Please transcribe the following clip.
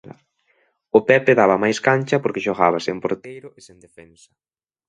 O Pepe daba máis cancha porque xogaba sen porteiro e sen defensa.